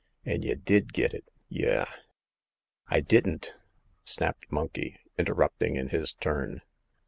An' y' did get it, y' !"I didn't !" snapped Monkey, interrupting in his turn.